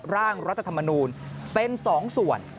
ร่างรัฐธรรมนูลเป็น๒ส่วน